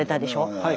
はい。